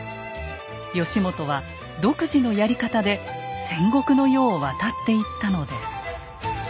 義元は独自のやり方で戦国の世を渡っていったのです。